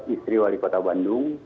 istri wali kota bandung